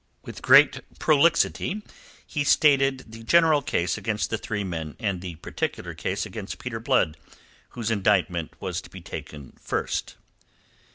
With great prolixity he stated the general case against the three men, and the particular case against Peter Blood, whose indictment was to be taken first.